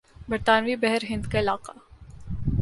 برطانوی بحر ہند کا علاقہ